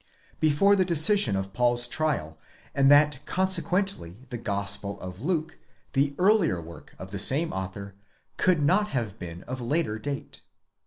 before the decision of Paul's trial, and that consequently, the Gospel of Luke, the earlier work of the same author, could not have been of later date.